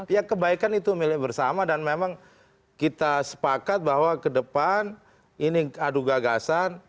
ya kebaikan itu milik bersama dan memang kita sepakat bahwa ke depan ini adu gagasan